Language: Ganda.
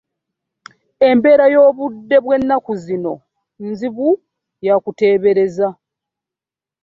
Embeere y'obudde y'enaku zino nzibu yakuteebereza.